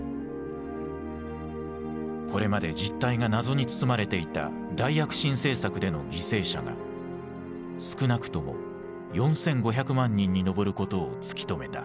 これまで実態が謎に包まれていた大躍進政策での犠牲者が少なくとも４，５００万人に上ることを突き止めた。